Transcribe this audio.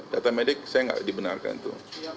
data medik saya gak dibenarkan itu